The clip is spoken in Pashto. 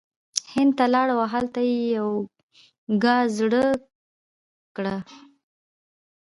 هند ته لاړ او هلته یی یوګا زړه کړه